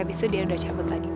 abis itu dia udah cabut lagi